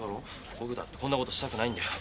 僕だってこんなことしたくないんだよ。